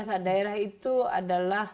supaya perekonomian bisa berhasil